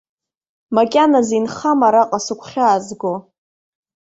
Макьаназы инхама араҟа сыгәхьаазго?